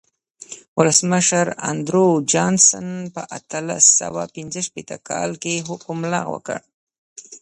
ولسمشر اندرو جانسن په اتلس سوه پنځه شپېته کال کې حکم لغوه کړ.